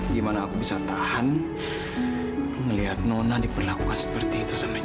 gimana aku bisa tahan ngelihat nona diperlakukan seperti itu sama jody